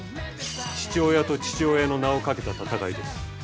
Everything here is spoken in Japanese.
父親と父親の名をかけた戦いです。